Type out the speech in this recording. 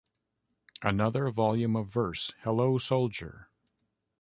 Another volume of verse, Hello, Soldier!